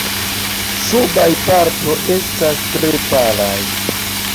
Subaj partoj estas tre palaj.